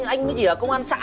anh mới chỉ là công an xã